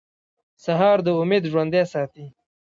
سهار د امید ژوندی ساتي.